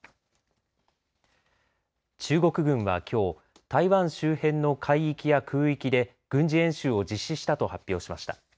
中国軍はきょう台湾周辺の海域や空域で軍事演習を実施したと発表しました。